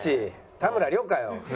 田村亮かよ！